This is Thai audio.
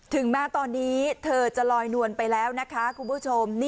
ถึงแม้ตอนนี้เธอจะลอยนวลไปแล้วนะคะคุณผู้ชม